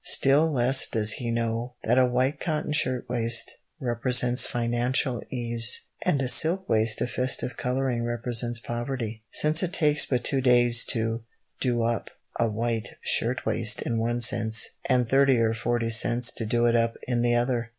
Still less does he know that a white cotton shirt waist represents financial ease, and a silk waist of festive colouring represents poverty, since it takes but two days to "do up" a white shirt waist in one sense, and thirty or forty cents to do it up in the other!